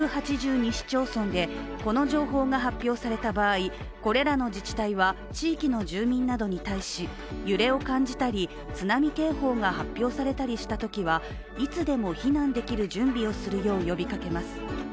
対象となるエリアは北海道から千葉県にかけての１８２市町村でこの情報が発表された場合、これらの自治体は地域の住民などに対し揺れを感じたり、津波警報が発表されたりしたときはいつでも避難できる準備をするよう呼びかけます。